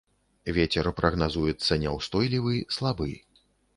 Вецер прагназуецца няўстойлівы, слабы.